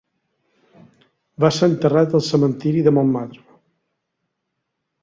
Va ser enterrat al cementiri de Montmartre.